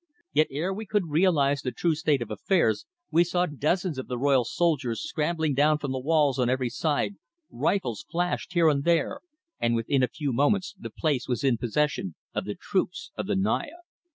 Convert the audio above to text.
Yet ere we could realise the true state of affairs, we saw dozens of the royal soldiers scrambling down from the walls on every side, rifles flashed here and there, and within a few moments the place was in possession of the troops of the Naya.